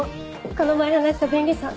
この前話した弁理士さん